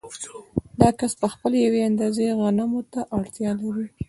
دا کس په خپله یوې اندازې غنمو ته اړتیا لري